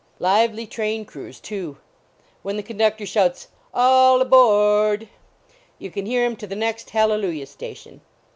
Lively train crews, too. When the conductor shouts All a b o a r d ! you can hear him to the next hallelujah station.